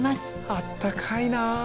あったかいな。